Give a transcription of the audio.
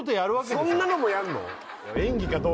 そんなのもやんの？